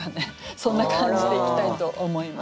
そんな感じでいきたいと思います。